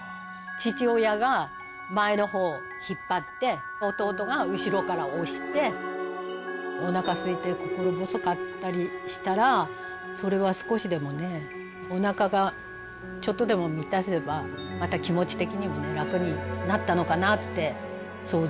父親が前のほう引っ張って弟が後ろから押しておなかすいて心細かったりしたらそれは少しでもねおなかがちょっとでも満たせばまた気持ち的にもね楽になったのかなって想像してます。